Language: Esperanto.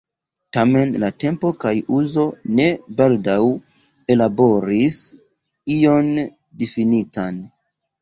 Tamen "la tempo kaj uzo" ne baldaŭ ellaboris ion difinitan.